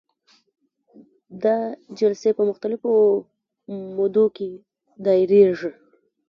دا جلسې په مختلفو مودو کې دایریږي.